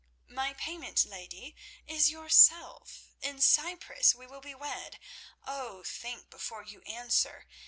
"My payment, lady, is—yourself. In Cyprus we will be wed—oh! think before you answer.